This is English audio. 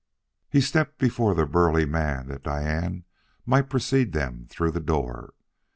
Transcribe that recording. He stepped before the burly man that Diane might precede them through the door.